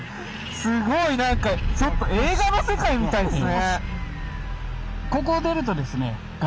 すごいなんかちょっと映画の世界みたいですね！